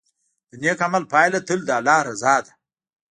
د نیک عمل پایله تل د الله رضا ده.